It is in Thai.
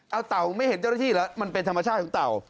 เอาเต่าไม่เห็นเจ้าหน้าที่เหรอมันเป็นธรรมชาติของเต่า